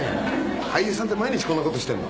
俳優さんって毎日こんなことしてるの？